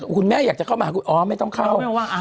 คุณแม่อยากเข้ามาอ้อไม่ต้องเข้า